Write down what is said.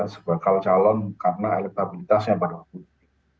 sebagai calon karena elektabilitasnya pada waktu itu